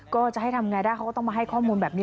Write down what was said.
ก็จะให้ทำไงได้เขาก็ต้องมาให้ข้อมูลแบบนี้